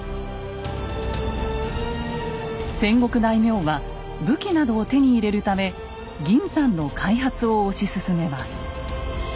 戦国大名は武器などを手に入れるため銀山の開発を推し進めます。